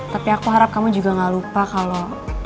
tapi aku harap kamu juga gak lupa kalau